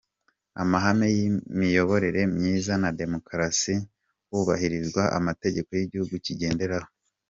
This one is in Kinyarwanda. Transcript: Amahame y’imiyoborere myiza na Demokarasi hubahirizwa amategeko y’igihugu kigenderaho.